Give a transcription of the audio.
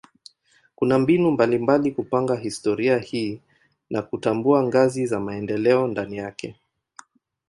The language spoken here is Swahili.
Kuna mbinu mbalimbali kupanga historia hii na kutambua ngazi za maendeleo ndani yake.